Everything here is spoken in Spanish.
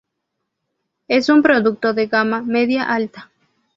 Es un producto de gama media-alta.